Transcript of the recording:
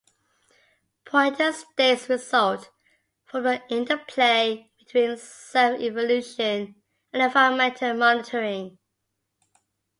Pointer states result from the interplay between self-evolution and environmental monitoring.